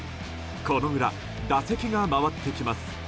この裏、打席が回ってきます。